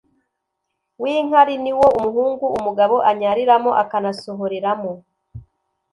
w'inkari ni wo umuhungu umugabo anyariramo akanasohoreramo